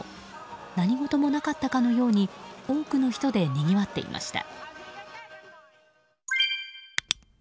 何事もなかったかのように多くの人でにぎわっていました。